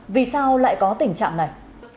vì sao lại có tình trạng này